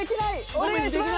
お願いします！